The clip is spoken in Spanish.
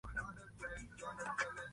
Trabajó como abogado en Canadá y Alemania.